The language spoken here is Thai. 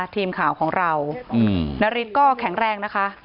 ทีมข่าวของเรานาริสก็แข็งแรงนะคะ